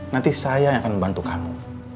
nanti saya yang akan membantu kamu